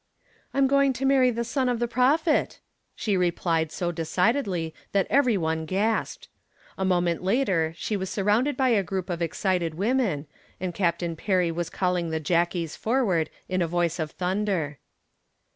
"I am going to marry the Son of the Prophet," she replied so decidedly that every one gasped. A moment later she was surrounded by a group of excited women, and Captain Perry was calling the "jackies" forward in a voice of thunder.